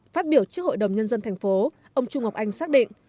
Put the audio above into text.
phát biểu trước hội đồng nhân dân thành phố ông trung ngọc anh xác định